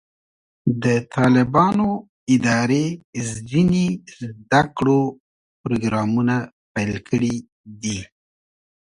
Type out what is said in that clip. د طالبانو ادارې ځینې زده کړو پروګرامونه پیل کړي دي.